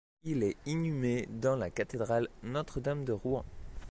Il est inhumé dans la cathédrale Notre-Dame de Rouen.